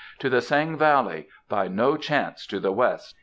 "To the Seng valley by no chance to the west?"